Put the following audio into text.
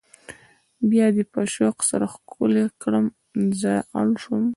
بیا دې په شوق سره ښکل کړم زه اړ شوم.